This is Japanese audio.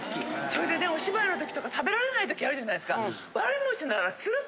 それでねお芝居の時とか食べられない時あるじゃないですか。